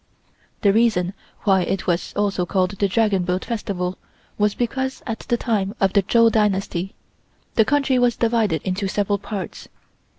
The reason why it was also called the Dragon Boat Festival was because at the time of the Chou Dynasty the country was divided into several parts.